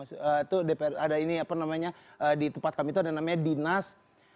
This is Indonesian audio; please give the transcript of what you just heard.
itu dpr ada ini apa namanya di tempat kami itu ada namanya dinas